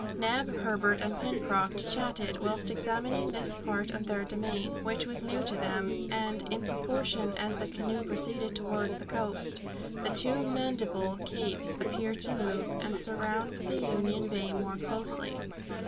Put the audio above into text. Neb, Herbert, and Pencroft chatted, whilst examining this part of their domain, which was new to them, and, in proportion as the canoe proceeded towards the south, the two Mandible Capes appeared to move, and surround Union Bay more closely.